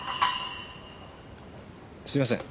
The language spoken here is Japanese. すいません。